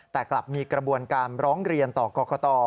แต่กลับมีกระบวนการร้องเรียนต่อกรกต